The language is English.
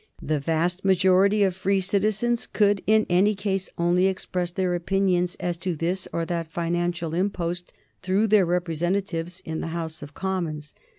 The vast majority of free citizens could in any case only express their opinions as to this or that financial impost through their representatives in the House of Commons.